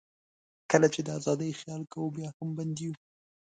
کله چې د آزادۍ خیال کوو، بیا هم بند یو.